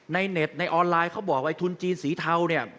เน็ตในออนไลน์เขาบอกว่าทุนจีนสีเทาเนี่ย